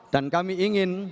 dan kami ingin